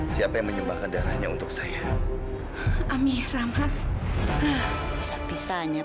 siapa yang menyumbangkan darahnya untuk saya